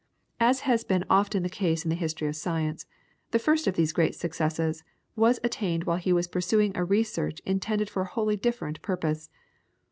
As has been often the case in the history of science, the first of these great successes was attained while he was pursuing a research intended for a wholly different purpose.